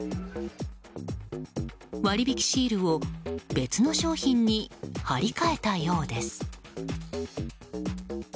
割引シールを別の商品に貼り替えたようです。